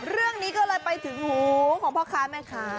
เรื่องนี้ก็เลยไปถึงหูของพ่อค้าแม่ค้า